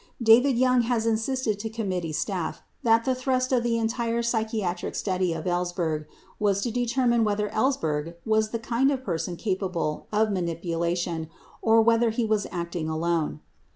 84 David Young has insisted to committee staff that the thrust of the entire psychiatric study of Ellsberg was to determine whether Ells berg was the kind of person capable of manipulation or whether he was acting alone.